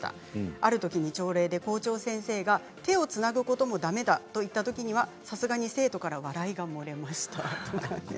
あるとき朝礼で校長先生が手をつなぐこともだめだと言ったときにはさすがに生徒から笑いが漏れました。